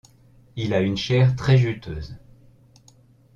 Il a une chair très juteuse.